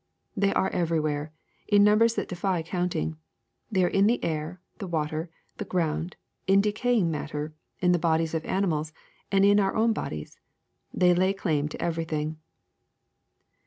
They are everywhere, in numbers that defy counting; they are in the air, the water, the ground, in decaying matter, in the bodies of animals, and in our o^vn bodies. They lay claim to every thing.